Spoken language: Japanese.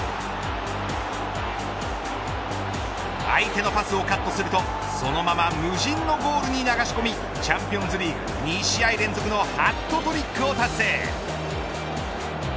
相手のパスをカットするとそのまま無人のゴールに流し込みチャンピオンズリーグ２試合連続の